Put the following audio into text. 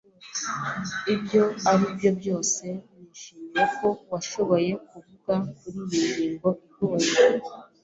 Ibyo ari byo byose, Nishimiye ko washoboye kuvuga kuriyi ngingo igoye.